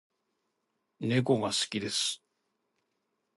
猫が好きです